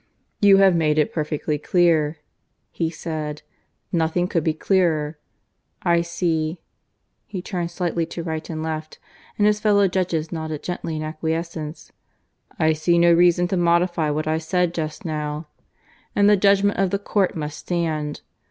"You have made it perfectly clear," he said. "Nothing could be clearer. I see" (he turned slightly to right and left, and his fellow judges nodded gently in acquiescence) "I see no reason to modify what I said just now, and the judgment of the court must stand.